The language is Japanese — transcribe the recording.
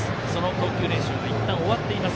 投球練習がいったん、終わっています